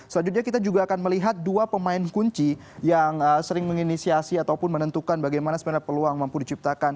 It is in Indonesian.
selanjutnya kita juga akan melihat dua pemain kunci yang sering menginisiasi ataupun menentukan bagaimana sebenarnya peluang mampu diciptakan